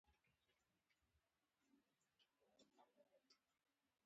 د کوټې په دروازه، دستارونو، مېلو او پټیو کې به یې څارنه کوله.